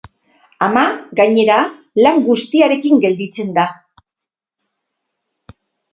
Ama, gainera, lan guztiarekin gelditzen da.